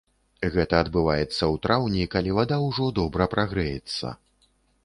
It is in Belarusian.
Гэта адбываецца ў траўні, калі вада ўжо добра прагрэцца.